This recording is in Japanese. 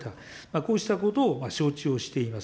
こうしたことを承知をしています。